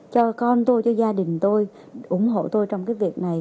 cho con tôi cho gia đình tôi ủng hộ tôi trong cái việc này